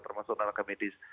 termasuk tenaga medis